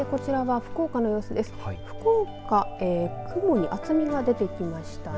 福岡雲に厚みが出てきましたね。